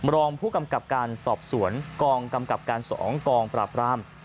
รองผู้กำกับการสอบสวนกองกำกับการ๒กองปราบราม